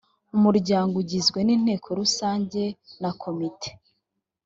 umuryango ugizwe n inteko rusange na komite